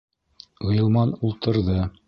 Ғилман ултырҙы.